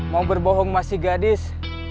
mau berbohong masih gadis